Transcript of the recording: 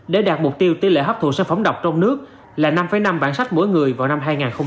để đạt mục tiêu tỷ lệ hấp thụ sản phẩm độc trong nước là năm năm bản sách mỗi người vào năm hai nghìn hai mươi năm